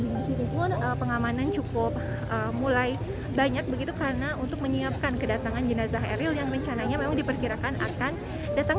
di sini pun pengamanan cukup mulai banyak begitu karena untuk menyiapkan kedatangan jenazah eril yang rencananya memang diperkirakan akan datang